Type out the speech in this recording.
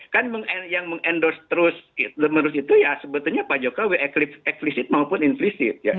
kan yang mengendos terus menurut itu ya sebetulnya pak jokowi ekvisit maupun infisit